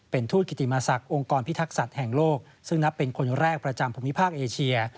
เป็นทูตกิติมาศักดิ์องค์กรพิทักษัตริย์แห่งโลกซึ่งนับเป็นคนแรกประจำภูมิภาคเอเชีย